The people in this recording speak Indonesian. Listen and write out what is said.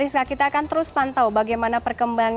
rizka kita akan terus pantau bagaimana perkembangan ini